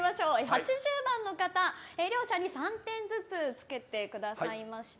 ８０番の方、両者に３点ずつつけてくださいました。